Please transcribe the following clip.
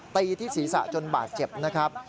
ตีที่ศีรษะจนบาดเจ็บนะครับ